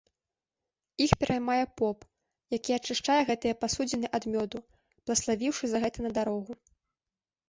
Іх пераймае поп, які ачышчае гэтыя пасудзіны ад мёду, блаславіўшы за гэта на дарогу.